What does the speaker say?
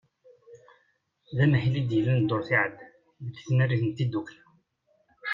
D amahil i d-yellan ddurt iɛeddan deg tnarit n tiddukla.